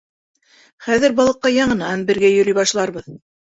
— Хәҙер балыҡҡа яңынан бергә йөрөй башларбыҙ.